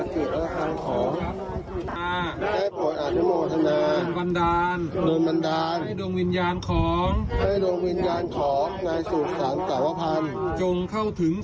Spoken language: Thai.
จงเข้าถึงสุขตีในสัมปายภพประกอบศุกร์ในทิพย์วิมาลทัวร์นิรันกาลเธอจากธุกษ์